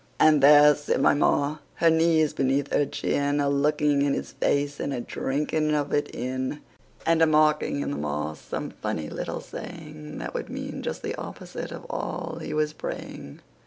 And there sit my Ma, her knees beneath her chin, A looking in his face and a drinking of it in, And a marking in the moss some funny little saying That would mean just the opposite of all he was praying!